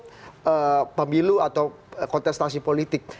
untuk pemilu atau kontestasi politik